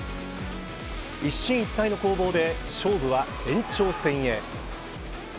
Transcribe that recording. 一進一退の攻防で勝負は延長戦へ。